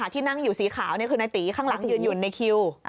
ที่นั่งอยู่สีขาวคือนายตีข้างหลังยืนอยู่ในคิว